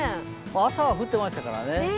朝は降っていましたからね。